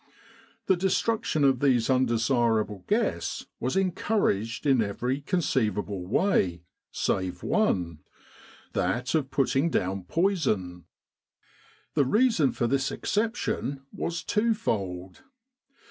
The destruction of these un desirable guests was encouraged in every conceivable way save one that of putting down poison. The reason for this exception was twofold.